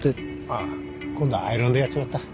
ああ今度はアイロンでやっちまった。